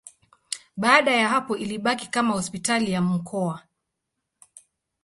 Baada ya hapo ilibaki kama hospitali ya mkoa.